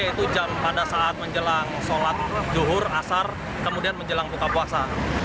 yaitu pada saat menjelang sholat zuhur asar kemudian menjelang buka puasa